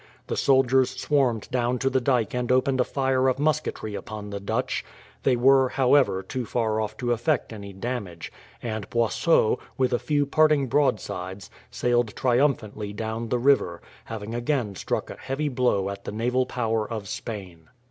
The soldiers swarmed down to the dyke and opened a fire of musketry upon the Dutch. They were, however, too far off to effect any damage, and Boisot, with a few parting broadsides, sailed triumphantly down the river, having again struck a heavy blow at the naval power of Spain.